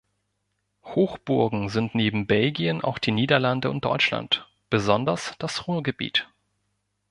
Hochburgen sind neben Belgien auch die Niederlande und Deutschland, besonders das Ruhrgebiet.